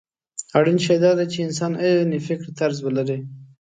اړين شی دا دی چې انسان عيني فکرطرز ولري.